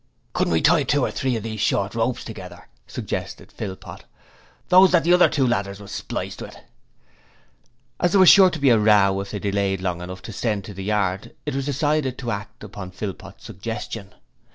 'Couldn't we tie two or three of those short ropes together?' suggested Philpot. 'Those that the other two ladders was spliced with?' As there was sure to be a row if they delayed long enough to send to the yard, it was decided to act on Philpot's suggestion.